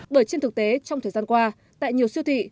bởi trên thực tế trong thời gian qua tại nhiều siêu thị